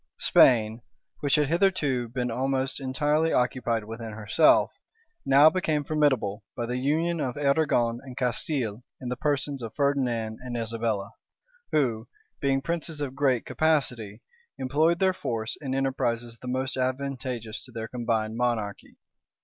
Spain, which had hitherto been almost entirely occupied within herself, now became formidable by the union of Arragon and Castile in the persons of Ferdinand and Isabella, who, being princes of great capacity, employed their force in enterprises the most advantageous to their combined monarchy.